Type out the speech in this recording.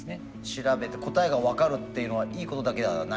調べて答えが分かるっていうのはいいことだけではない。